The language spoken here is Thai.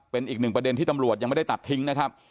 เป็นอีกหนึ่งประเด็นที่ตำรวจยังไม่ได้ตัดทิ้งนะครับ